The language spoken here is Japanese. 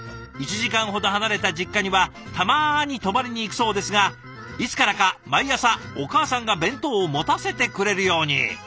１時間ほど離れた実家にはたまに泊まりにいくそうですがいつからか毎朝お母さんが弁当を持たせてくれるように。